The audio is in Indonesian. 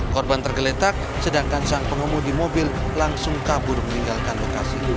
korban tergeletak sedangkan sang pengemudi mobil langsung kabur meninggalkan lokasi